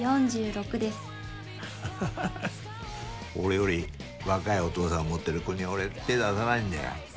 俺より若いお父さん持ってる子には俺手出さないんだよ。